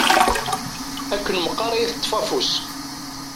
Akken meqqar ad yi-teṭṭef afus.